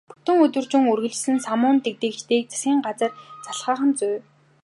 Бүтэн өдөржин үргэлжилсэн самуун дэгдээгчдийг засгийн газар залхаах нь зүй.